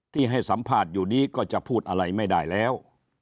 ที่ให้สัมภาษณ์อยู่นี้ก็จะพูดอะไรไม่ได้แล้ว